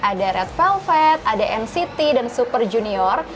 ada red velvet ada nct dan super junior